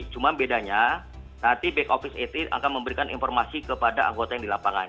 cuma bedanya nanti back office at akan memberikan informasi kepada anggota yang di lapangan